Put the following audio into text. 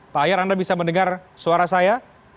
pak ayar anda bisa mendengar suara saya